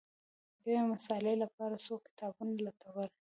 د یوې مسألې لپاره څو کتابونه لټول